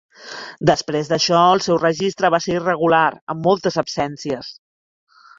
Després d'això, el seu registre va ser irregular, amb moltes absències.